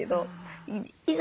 いざ